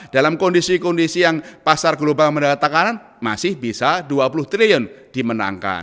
dalam kondisi kondisi yang pasar global mendatangkan masih bisa dua puluh triliun dimenangkan